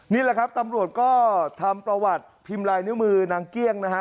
นี่แหละครับตำรวจก็ทำประวัติพิมพ์ลายนิ้วมือนางเกี้ยงนะฮะ